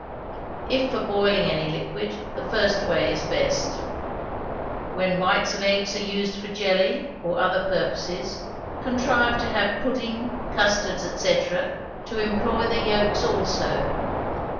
If for boiling any liquid, the first way is best. When whites of eggs are used for jelly, or other purposes, contrive to have pudding, custards, &c., to employ the yolks also.